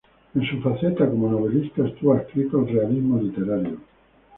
En su faceta como novelista estuvo adscrito al realismo literario.